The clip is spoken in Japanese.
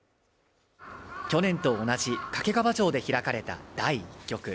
去年と同じ掛川城で開かれた第１局。